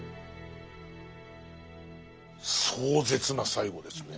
壮絶な最期ですね。